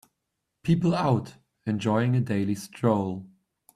People out enjoying a daily stroll.